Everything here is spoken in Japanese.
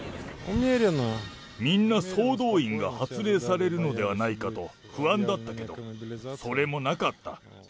みんな総動員が発令されるのではないかと不安だったけど、それもなかった。